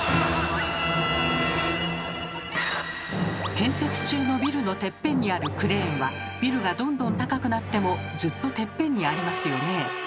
建設中のビルのテッペンにあるクレーンはビルがどんどん高くなってもずっとテッペンにありますよねえ。